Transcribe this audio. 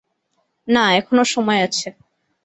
না, এখনো সময় আছে।